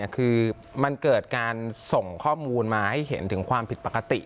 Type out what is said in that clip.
คือมันเกิดการส่งข้อมูลมาให้เห็นถึงความผิดปกติ